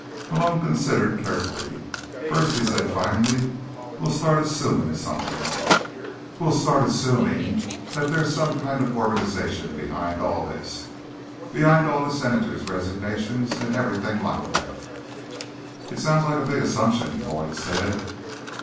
Malone considered carefully. "First," he said finally, "we'll start assuming something. We'll start assuming that there is some kind of organization behind all this, behind all the senators' resignations and everything like that." "It sounds like a big assumption," Boyd said.